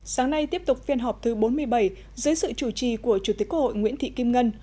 sáng nay tiếp tục phiên họp thứ bốn mươi bảy dưới sự chủ trì của chủ tịch quốc hội nguyễn thị kim ngân